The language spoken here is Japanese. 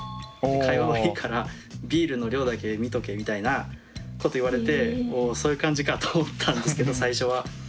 会話はいいからビールの量だけ見とけみたいなこと言われておおそういう感じかと思ったんですけど最初は。